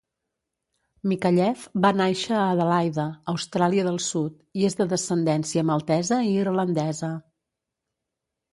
Micallef va nàixer a Adelaida, Austràlia del Sud, i és de descendència maltesa i irlandesa.